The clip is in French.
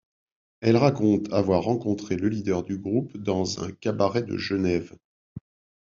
Elle raconte avoir rencontré le leader du groupe dans un cabaret de Genève.